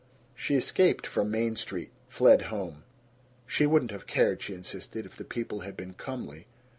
She escaped from Main Street, fled home. She wouldn't have cared, she insisted, if the people had been comely.